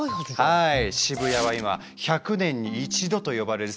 はい。